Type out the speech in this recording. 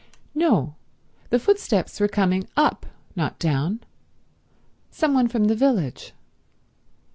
No—the footsteps were coming up, not down. Some one from the village.